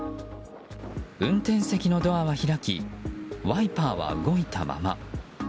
運転席のドアは開きワイパーは動いたまま。